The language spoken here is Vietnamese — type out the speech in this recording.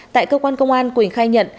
tại cơ quan công an quỳnh khai nhận